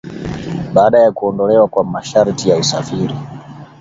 baada ya kuondolewa kwa masharti ya usafiri